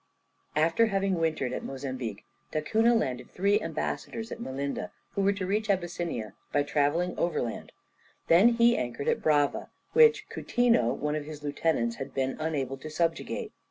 After having wintered at Mozambique, Da Cunha landed three ambassadors at Melinda, who were to reach Abyssinia by travelling overland, then he anchored at Brava, which Coutinho, one of his lieutenants had been unable to subjugate.